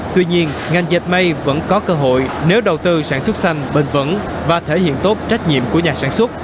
tuy nhiên ngành dệt may vẫn có cơ hội nếu đầu tư sản xuất xanh bền vững và thể hiện tốt trách nhiệm của nhà sản xuất